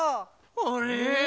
あれ！